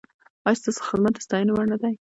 ایا ستاسو خدمت د ستاینې وړ نه دی؟